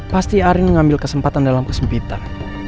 pasti arim ngambil kesempatan dalam kesempitan